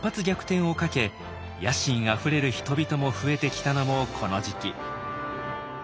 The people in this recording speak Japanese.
逆転をかけ野心あふれる人々も増えてきたのもこの時期。